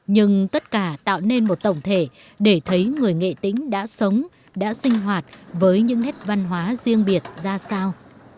nhưng tất cả tạo nên một tổng thể để thấy người nghệ tĩnh đã sống đã sinh hoạt với những nét văn hóa riêng biệt ra sao